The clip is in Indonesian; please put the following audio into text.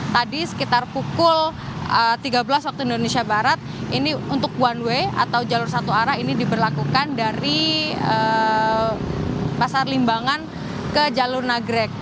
tadi sekitar pukul tiga belas waktu indonesia barat ini untuk one way atau jalur satu arah ini diberlakukan dari pasar limbangan ke jalur nagrek